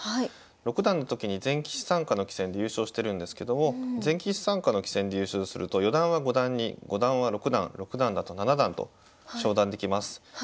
六段の時に全棋士参加の棋戦で優勝してるんですけども全棋士参加の棋戦で優勝すると四段は五段に五段は六段六段だと七段と昇段できます。